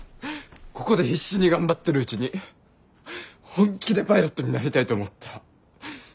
ここで必死に頑張ってるうちに本気でパイロットになりたいと思った。